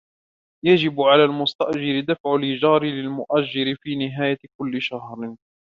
يجب على المستأجر دفع الايجار للمؤجر في نهاية كل شهر.